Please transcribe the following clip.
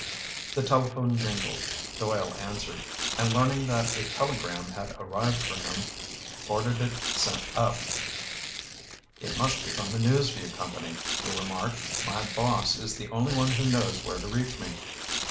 The telephone jingled. Doyle answered, and learning that a telegram had arrived for him, ordered it sent up. "It must be from the News Vue Company," he remarked. "My boss is the only one who knows where to reach me."